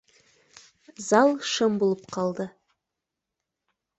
Зал шым булып ҡалды